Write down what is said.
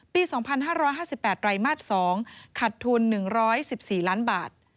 ปี๒๕๕๘ไรมาส๒ขัดทุน๑๑๔ล้านบาท